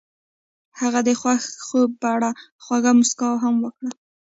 هغې د خوښ خوب په اړه خوږه موسکا هم وکړه.